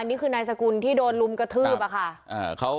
นี่คือนายสกุลที่โดนลุมกระทืบอะค่ะ